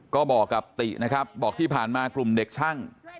ก็บอกกับตินะครับบอกที่ผ่านมากลุ่มเด็กช่าง